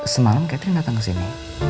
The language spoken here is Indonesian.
semalam catherine datang kesini